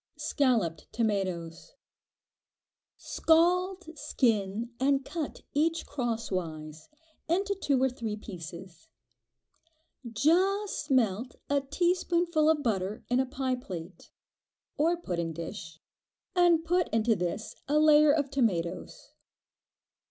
Scalloped Tomatoes. Scald, skin, and cut each crosswise, into two or three pieces. Just melt a teaspoonful of butter in a pie plate, or pudding dish, and put into this a layer of tomatoes.